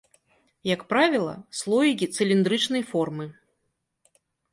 Як правіла, слоікі цыліндрычнай формы.